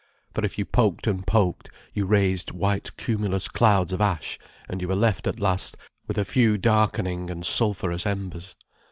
For if you poked and poked, you raised white cumulus clouds of ash, and you were left at last with a few darkening and sulphurous embers.